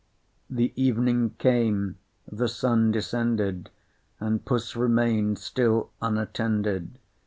The evening came, the sun descended, And Puss remain'd still unattended.